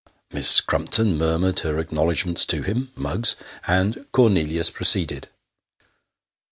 Miss Crumpton murmured her acknowledgments to him (Muggs), and Cornelius proceeded.